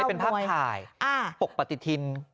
เป็นภาพถ่ายปกปฏิทิน